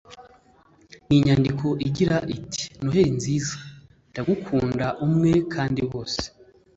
ninyandiko igira iti noheri nziza, ndagukunda umwe kandi bose